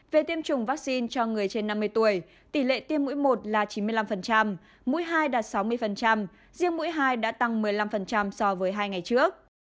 về tiêm chủng vaccine cho người trên năm mươi tuổi tỷ lệ tiêm mũi một là chín mươi năm mũi hai đạt sáu mươi riêng mũi hai đã tăng một mươi năm so với hai ngày trước